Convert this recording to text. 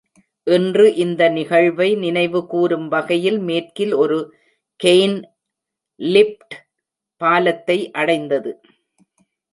இன்று, இந்த நிகழ்வை நினைவுகூரும் வகையில் மேற்கில் ஒரு கெய்ன் லிஃப்ட் பாலத்தை அடைந்தது.